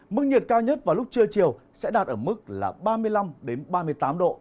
mức nhiệt cao nhất vào lúc trưa chiều sẽ đạt ở mức là ba mươi năm ba mươi tám độ